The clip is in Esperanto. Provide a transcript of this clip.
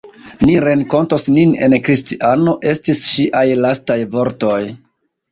Ni renkontos nin en Kristiano, estis ŝiaj lastaj vortoj.